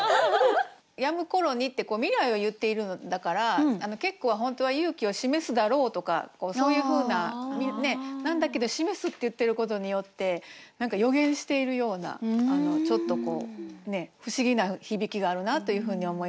「やむ頃に」って未来を言ってるのだから結句は本当は「勇気を示すだろう」とかそういうふうななんだけど「示す」って言ってることによって何か予言しているようなちょっと不思議な響きがあるなというふうに思いました。